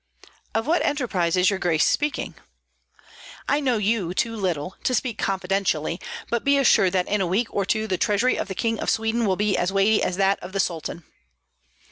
"Of what enterprise is your grace speaking?" "I know you too little to speak confidentially, but be assured that in a week or two the treasury of the King of Sweden will be as weighty as that of the Sultan."